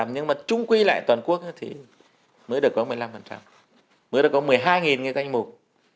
nhưng mà trung quy lại toàn quốc thì mới được có một mươi năm mới được có một mươi hai cái danh mục